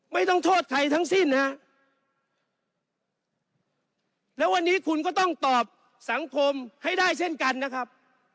ไม่ต้องโทษใครทั้งสิ้นฮะแล้ววันนี้คุณก็ต้องตอบสังคมให้ได้เช่นกันนะครับ